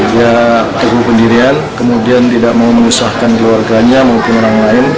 dia teguh pendirian kemudian tidak mau mengusahkan keluarganya maupun orang lain